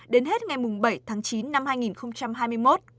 đến hết ngày bảy tháng chín năm hai nghìn hai mươi một